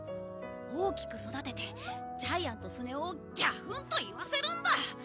大きく育ててジャイアンとスネ夫をギャフンと言わせるんだ！